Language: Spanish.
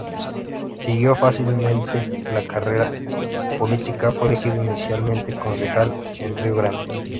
Siguió fácilmente la carrera política, fue elegido inicialmente concejal en Río Grande.